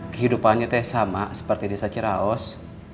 kehidupannya sama seperti di saciraos